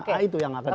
nah itu yang akan itu